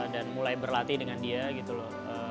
dan mulai berlatih dengan dia gitu loh